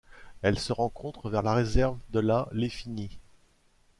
Elle se rencontre vers la réserve de la Léfini.